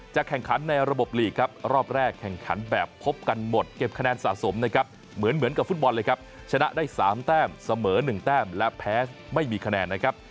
แข่งขันในระบบลีกครับรอบแรกแข่งขันแบบพบกันหมดเก็บคะแนนสะสมนะครับเหมือนกับฟุตบอลเลยครับชนะได้๓แต้มเสมอ๑แต้มและแพ้ไม่มีคะแนนนะครับ